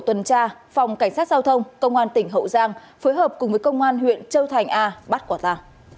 tuần tra phòng cảnh sát giao thông công an tỉnh hậu giang phối hợp cùng với công an huyện châu thành a bắt quả ta